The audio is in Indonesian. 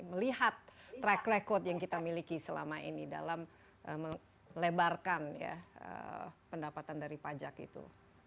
melihat track record yang kita miliki selama ini dalam melebarkan ya pendapatan dari pajak itu